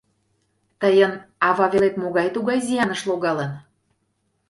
Тыйын ававелет могай тугай зияныш логалын?